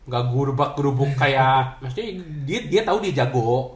gak gerubak gerubuk kayak maksudnya dia tau dia jago